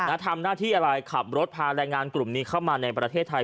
ทำหน้าที่อะไรขับรถพาแรงงานกลุ่มนี้เข้ามาในประเทศไทย